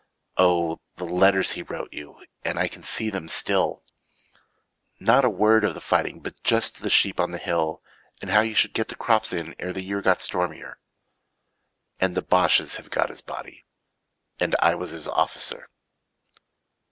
Oh, the letters he wrote you, And I can see them still. Not a word of the fighting But just the sheep on the hill And how you should get the crops in Ere the year got stormier, 40 And the Bosches have got his body. And I was his officer.